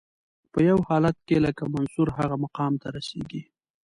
په یو حالت کې لکه منصور هغه مقام ته رسیږي.